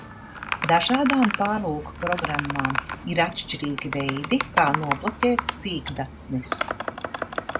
Dažādām pārlūkprogrammām ir atšķirīgi veidi, kā nobloķēt sīkdatnes.